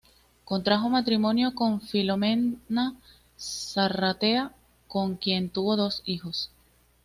Contrajo matrimonio con Filomena Sarratea, con quien tuvo dos hijos.